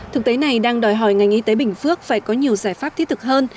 thực tế này đang đòi hỏi ngành y tế bình phước phải có nhiều giải pháp thiết thực hơn